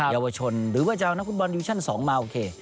เยาวชนหรือว่าจะเอานักฟุตบอลดิวิชั่น๒มาโอเค